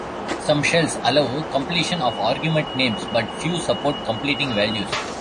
Some shells allow completion of argument names, but few support completing values.